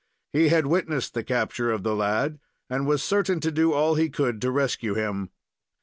He had witnessed the capture of the lad and was certain to do all he could to rescue him.